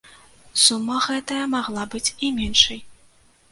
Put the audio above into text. Сума гэтая магла быць і меншай.